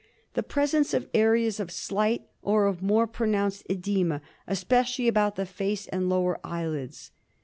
The presence of areas of slight or of more pro nounced oedema, especially about the face and lower eyelids.